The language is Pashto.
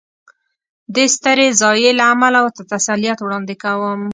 دې سترې ضایعې له امله ورته تسلیت وړاندې کوم.